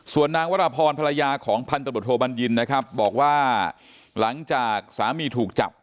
ส่วนนางวรพรภรรยาของพันธบทโทบัญญินนะครับบอกว่าหลังจากสามีถูกจับ